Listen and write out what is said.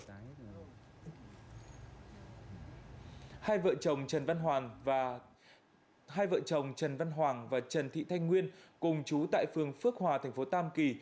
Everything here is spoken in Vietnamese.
hai vợ chồng trần văn hoàng và trần thị thanh nguyên cùng chú tại phường phước hòa tp tam kỳ